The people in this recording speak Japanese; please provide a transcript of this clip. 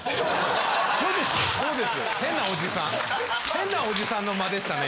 ・変なおじさんの間でしたね